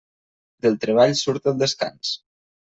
Del treball surt el descans.